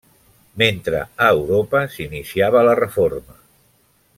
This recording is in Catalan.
Mentre a Europa s'iniciava la Reforma.